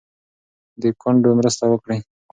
د کونډو مرسته وکړئ.